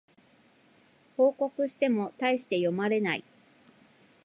報告してもたいして読まれない